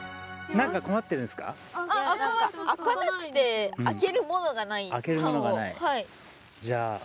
開かなくて開けるものがない缶を。